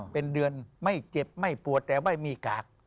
เป็นเดือนไม่เจ็บไม่ปวดแต่ไม่มีกาก